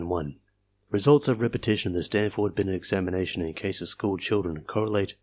Results of repetition of the Stanford Binet examination in case of school children correlate